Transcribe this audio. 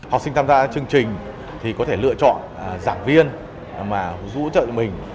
học sinh tham gia chương trình thì có thể lựa chọn giảng viên mà giúp ủng hộ mình